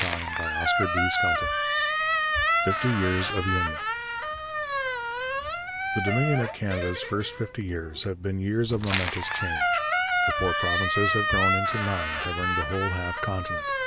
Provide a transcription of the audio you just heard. CHAPTER XIV FIFTY YEARS OF UNION The Dominion of Canada's first fifty years have been years of momentous change. The four provinces have grown into nine, covering the whole half continent.